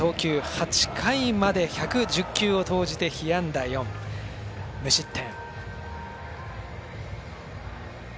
８回まで１１０球を投じて被安打４、無失点。